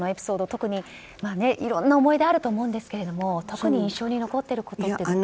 特にいろんな思い出あると思うんですけど特に印象に残っていることって何ですか。